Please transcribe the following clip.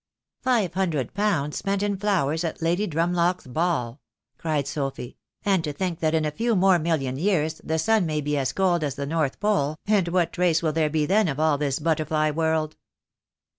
"Five hundred pounds spent in flowers at Lady Drum lock's ball!" cried Sophy, "and to think that in a few more million years the sun may be as cold as the north pole, and what trace will there be then of all this butterfly world?"